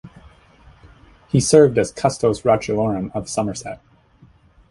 He served as Custos Rotulorum of Somerset.